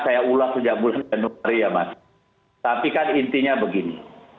saya ulas sejak bulan januari ya mas tapi kan intinya begini